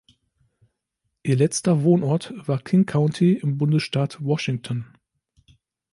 Ihr letzter Wohnort war King County im Bundesstaat Washington.